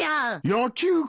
野球か。